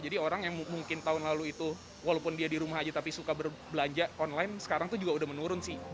jadi orang yang mungkin tahun lalu itu walaupun dia di rumah aja tapi suka berbelanja online sekarang tuh juga udah menurun sih